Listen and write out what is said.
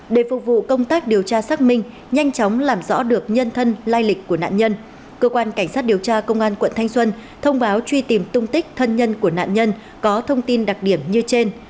để phục vụ công tác điều tra xác minh nhanh chóng làm rõ được nhân thân lai lịch của nạn nhân cơ quan cảnh sát điều tra công an quận thanh xuân thông báo truy tìm tung tích thân nhân của nạn nhân có thông tin đặc điểm như trên